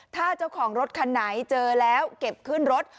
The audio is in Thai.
ถ้าเจ้าของรถคันไหนเจอแล้วเก็บขึ้นรถ